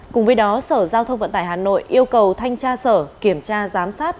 cùng với đó sở giao thông vận tải hà nội yêu cầu thanh tra sở kiểm tra giám sát